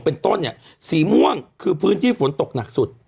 เป็นต้นเนี่ยสีม่วงคือพื้นที่ฝนตกหนักสุด